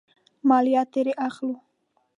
مالیه ترې اخلو.